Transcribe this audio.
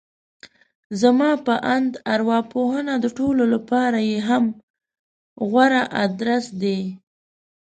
زما په اند ارواپوهنه د ټولو لپاره يې هم غوره ادرس دی.